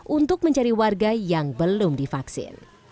untuk mencari warga yang belum divaksin